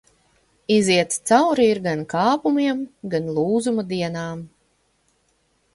Iziets cauri ir gan kāpumiem, gan lūzuma dienām.